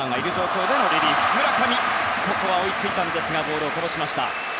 村上、ここは追いついたんですがボールをこぼしました。